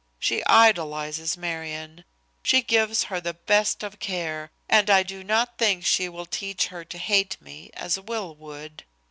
She idolizes Marion. She gives her the best of care, and I do not think she will teach her to hate me as Will would.